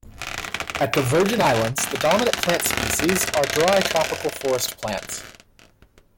At the Virgin Islands, the dominant plant species are dry tropical forest plants.